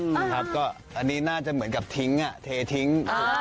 ครับกดอันนี้น่าจะเหมือนกับทิ้งอ่ะเถทิ้ง